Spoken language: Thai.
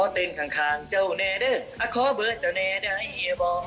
สิริยูน้อมเจ้าโดนโดอม